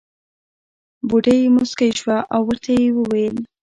بوډۍ موسکۍ شوه او ورته وې وېل.